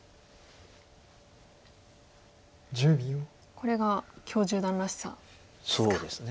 これが許十段らしさですか。